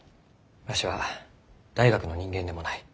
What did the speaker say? わしは大学の人間でもない。